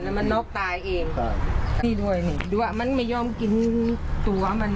แล้วมันน็อกตายเองครับพี่ด้วยนี่ดูว่ามันไม่ยอมกินตัวมัน